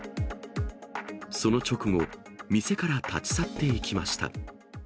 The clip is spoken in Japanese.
その直後、店から立ち去っていきました。